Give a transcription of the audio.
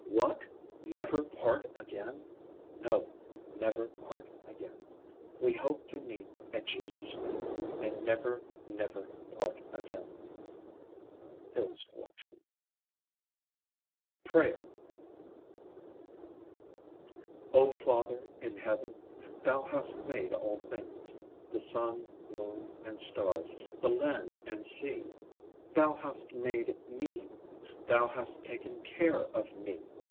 What! never part again? No, never part again. We hope to meet at Jesus' feet, And never, never part again. (Hill's Collection.) Macintosh, Printer, Great New street, London. PRAYER. O Father in Heaven, Thou hast made all things; The sun, moon, and stars, the land and sea. Thou hast made me. Thou hast taken care of me.